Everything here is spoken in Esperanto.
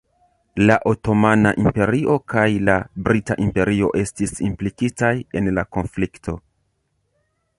La Otomana Imperio kaj la Brita Imperio estis implikitaj en la konflikto.